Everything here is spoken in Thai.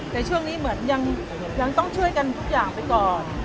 แต่ช่วงนี้เหมือนยังต้องช่วยกันทุกอย่างไปก่อน